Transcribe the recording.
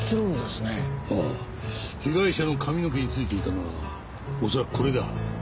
被害者の髪の毛に付いていたのは恐らくこれだ。